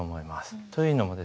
というのもですね